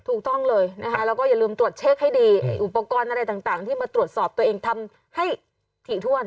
ถูกต้องเลยนะคะแล้วก็อย่าลืมตรวจเช็คให้ดีอุปกรณ์อะไรต่างที่มาตรวจสอบตัวเองทำให้ถี่ถ้วน